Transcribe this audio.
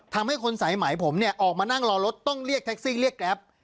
ทำให้คนสายไหมผมเนี่ยออกมานั่งรอรถต้องเรียกแท็กซี่เรียกแกรป